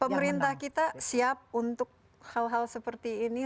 pemerintah kita siap untuk hal hal seperti ini